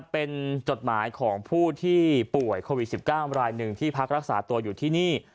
เป็นจดหมายของผู้ที่ป่วยโควิด๑๙รายหนึ่งที่พักรักษาตัวอยู่ที่นี่